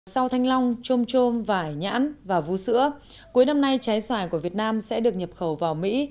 sau thanh long trôm trôm vải nhãn và vũ sữa cuối năm nay trái xoài của việt nam sẽ được nhập khẩu vào mỹ